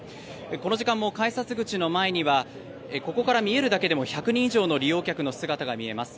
この時間も改札口の前にはここから見えるだけでも１００人以上の利用客の姿が見えます。